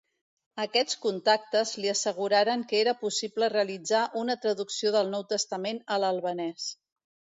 Aquests contactes li asseguraren que era possible realitzar una traducció del Nou Testament a l'albanès.